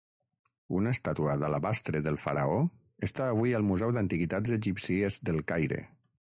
Una estàtua d'alabastre del faraó està avui al Museu d'Antiguitats Egípcies del Caire.